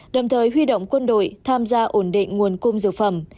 đồng thời huy động quân đội tham gia ổn định nguồn cung dược phẩm